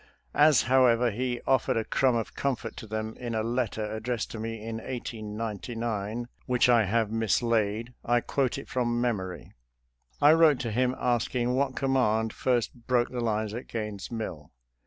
As, however, he of fered a crumb of comfort to them in a letter addressed to me in 1899, which I have mislaid, I quote it from memory. I wrote to him asking what command first broke the lines at Gaines' Mill.